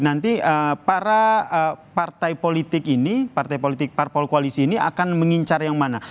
nanti para partai politik ini partai politik parpol koalisi ini akan mengincar yang mana